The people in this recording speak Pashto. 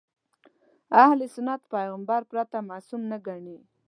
اهل سنت پیغمبر پرته معصوم نه ګڼي.